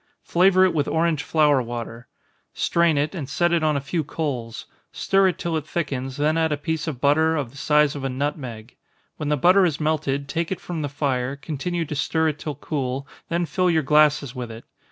Flavor it with orange flower water strain it, and set it on a few coals stir it till it thickens, then add a piece of butter, of the size of a nutmeg. When the butter has melted, take it from the fire, continue to stir it till cool, then fill your glasses with it.